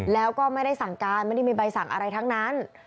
แล้วก็ไม่ได้สั่งการไม่ได้มีใบสั่งอะไรทั้งนั้น